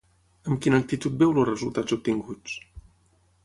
Amb quina actitud veu els resultats obtinguts?